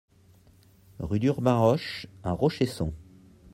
Rue d'Urbainroche à Rochesson